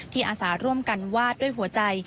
อาสาร่วมกันวาดด้วยหัวใจ